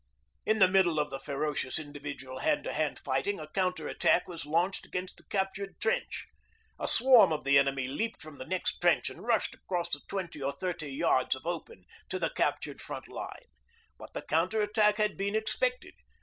In the middle of the ferocious individual hand to hand fighting a counter attack was launched against the captured trench. A swarm of the enemy leaped from the next trench and rushed across the twenty or thirty yards of open to the captured front line. But the counterattack had been expected.